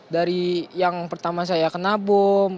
dari yang pertama saya kena bom